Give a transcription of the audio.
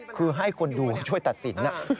คือให้คนดูช่วยตัดสิน